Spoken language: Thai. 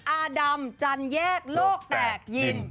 อาดำจันแยกโลกแตกยิน